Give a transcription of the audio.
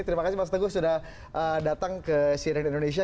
terima kasih mas teguh sudah datang ke cnn indonesia